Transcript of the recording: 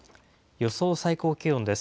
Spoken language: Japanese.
予想最高気温です。